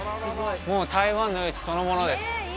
もう台湾の夜市そのものです